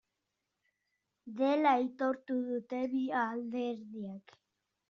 Dela aitortu dute bi alderdiek.